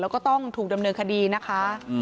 แล้วก็ต้องถูกดำเนินคดีนะคะ